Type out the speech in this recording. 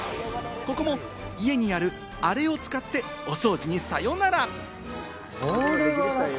ここも家にある、あれを使って、お掃除にさようなら。